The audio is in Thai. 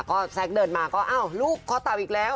ก็แซคเดินมาก็อ้าวลูกคอเต่าอีกแล้ว